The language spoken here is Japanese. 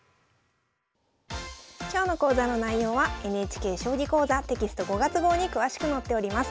今日の講座の内容はＮＨＫ「将棋講座」テキスト５月号に詳しく載っております。